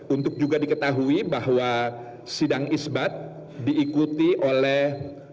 untuk juga diketahui bahwa sidang isbat diikuti oleh